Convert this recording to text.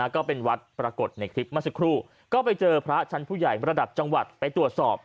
ก็เป็นวัดปรากฏในคลิปเมื่อสักครู่ก็ไปเจอพระชั้นผู้ใหญ่ระดับจังหวัดไปตรวจสอบ